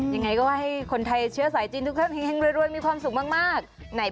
ยังไงก็ว่าให้คนไทยเชื้อสายจีนทุกท่านแห่งรวยมีความสุขมาก